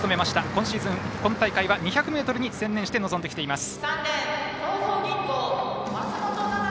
今シーズン、今大会は２００ｍに専念して臨んできています